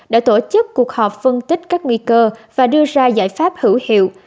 đã tổ chức cuộc họp phân tích các nguy cơ và đưa ra giải pháp hữu hiệu